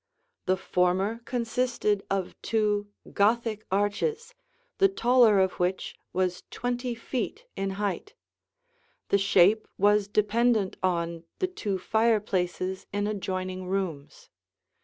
The former consisted of two Gothic arches, the taller of which was twenty feet in height; the shape was dependent on the two fireplaces in adjoining rooms.